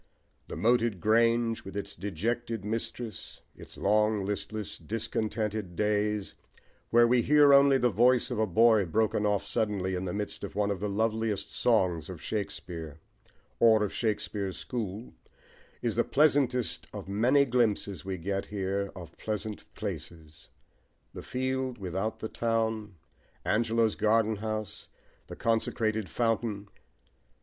The moated grange, with its dejected mistress, its long, listless, discontented days, where we hear only the voice of a boy broken off suddenly in the midst of one of the loveliest songs of Shakespeare, or of Shakespeare's school,* is the pleasantest of many glimpses we get here of pleasant places the field without the town, Angelo's garden house, the consecrated fountain.